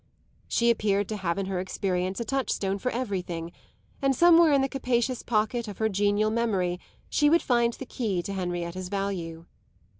She appeared to have in her experience a touchstone for everything, and somewhere in the capacious pocket of her genial memory she would find the key to Henrietta's value.